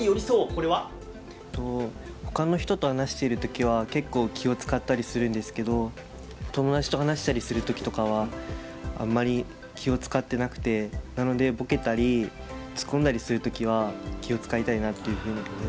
これは？ほかの人と話している時は結構気を遣ったりするんですけど友達と話したりする時とかはあんまり気を遣ってなくてなのでボケたりつっこんだりする時は気を遣いたいなっていうふうに思いました。